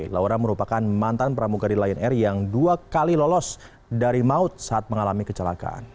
laura merupakan mantan pramugari lion air yang dua kali lolos dari maut saat mengalami kecelakaan